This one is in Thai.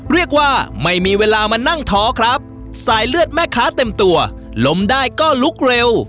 เรียกว่าไม่มีเวลามานั่งท้อครับสายเลือดแม่ค้าเต็มตัวล้มได้ก็ลุกเร็ว